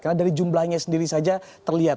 karena dari jumlahnya sendiri saja terlihat